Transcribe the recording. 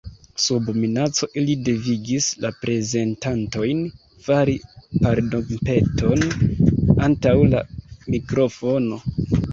Sub minaco ili devigis la prezentantojn fari pardonpeton antaŭ la mikrofono.